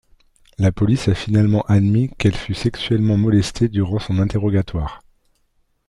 La police a finalement admis qu’elle fut sexuellement molestée durant son interrogatoire.